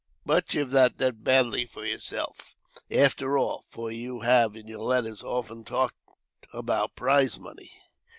But you've not done badly for yourself after all; for you have, in your letters, often talked about prize money."